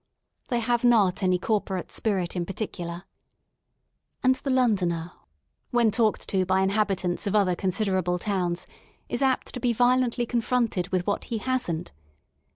They have not any Corporate spirit in particular. And the Londoner when talked to by inhabitants of other considerable towns is apt to be violently confronted with what he hasn't.